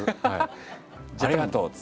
「ありがとう」っつって。